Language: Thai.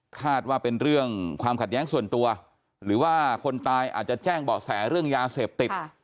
คาดว่าเป็นเรื่องความขัดแย้งส่วนตัวหรือว่าคนตายอาจจะแจ้งเบาะแสเรื่องยาเสพติด